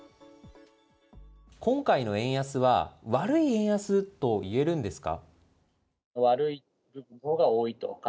今回の円安は、悪い円安といえるんですか。